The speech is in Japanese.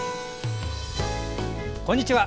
こんにちは。